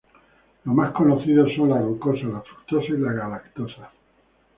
Los más conocidos son la glucosa, la fructosa y la galactosa.